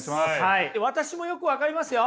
私もよく分かりますよ。